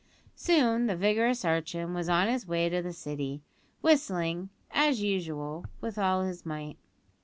Soon the vigorous urchin was on his way to the City, whistling, as usual, with all his might.